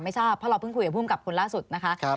ไม่ทราบเพราะเราเพิ่งคุยกับภูมิกับคนล่าสุดนะคะ